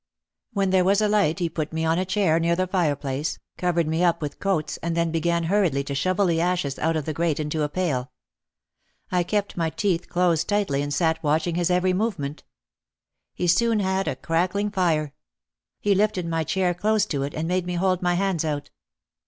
When there was a light he put me on a chair near the fireplace, covered me up with coats and then began hurriedly to shovel the ashes out of the grate into a pail. I kept my teeth closed tightly and sat watching his every movement. He soon had a crackling fire. He lifted my chair close to it and made me hold my hands out.